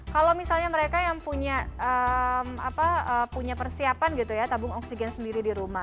kalau misalnya mereka yang punya persiapan gitu ya tabung oksigen sendiri di rumah